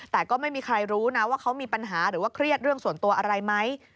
แต่ก็ไม่มีใครรู้นะว่าเขามีปัญหาหรือว่าเครียดเรื่องส่วนตัวอะไรไหม